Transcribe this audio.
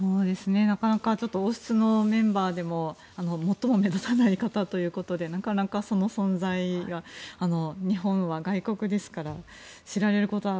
なかなか王室のメンバーでも最も目立たない方ということでなかなか、その存在が日本は外国ですから知られることは。